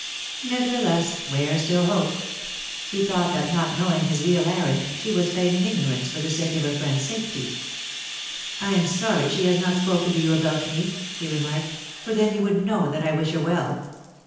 Nevertheless Ware still hoped. He thought that not knowing his real errand, she was feigning ignorance for the sake of her friend's safety. "I am sorry she has not spoken to you about me," he remarked, "for then you would know that I wish her well."